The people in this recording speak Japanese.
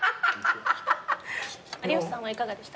有吉さんはいかがでしたか？